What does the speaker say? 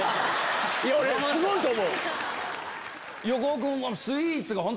横尾君も。